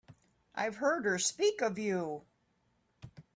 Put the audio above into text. I've heard her speak of you.